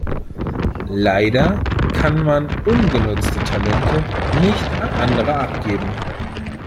Leider kann man ungenutzte Talente nicht an andere abgeben.